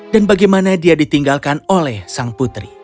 dan bagaimana dia ditinggalkan oleh sang putri